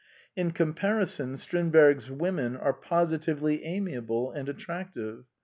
In com parison, Strindberg's women are positively ami able and attractive.